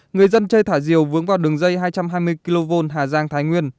người dân chơi thả diều vướng vào đường dây hai trăm hai mươi kv hà giang thái nguyên